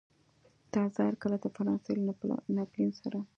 تزار کله د فرانسې له ناپلیون سره.